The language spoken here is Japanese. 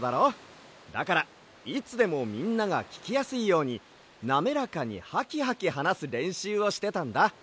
だからいつでもみんながききやすいようになめらかにハキハキはなすれんしゅうをしてたんだ。